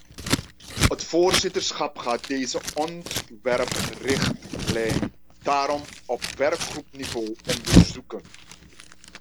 Het voorzitterschap gaat deze ontwerprichtlijn daarom op werkgroepniveau onderzoeken.